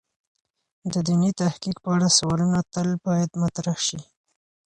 د دیني تحقیق په اړه سوالونه تل باید مطرح شی.